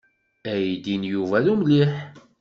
Aydi n Yuba d umliḥ.